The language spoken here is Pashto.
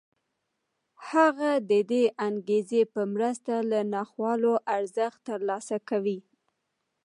هغه د دې انګېزې په مرسته له ناخوالو ارزښت ترلاسه کوي